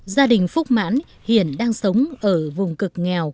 gia đình phúc mãn hiện đang sống ở vùng cực nghèo